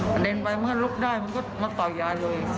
กระเด็นไปมันก็ลุกได้มันก็มาต่อยยายเลย